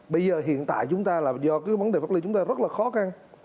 bây giờ hiện tại chúng ta là do cái vấn đề pháp lý chúng ta rất là khó khăn